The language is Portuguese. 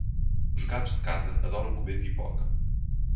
Os gatos de casa adoram comer pipoca.